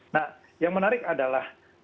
nah yang menarik adalah